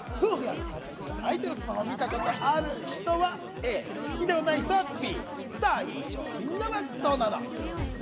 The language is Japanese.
夫婦やカップル、相手のスマホ、見たことある人はＡ、見たことない人はＢ。